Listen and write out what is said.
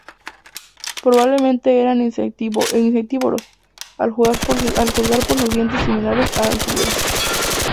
Probablemente eran insectívoros, al juzgar por sus dientes similares a alfileres.